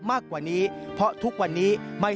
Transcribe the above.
ซึ่งยอมรับว่าเกินจริงไป